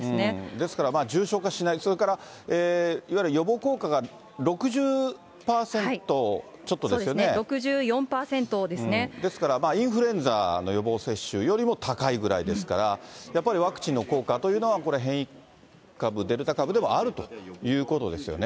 ですから、重症化しない、それからいわゆる予防効果が６０％そうですね、ですから、インフルエンザの予防接種よりも高いぐらいですから、やっぱりワクチンの効果というのは、これ、変異株、デルタ株ではあるということですよね。